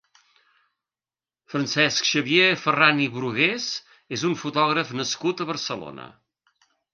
Francesc Xavier Ferran i Brugués és un fotògraf nascut a Barcelona.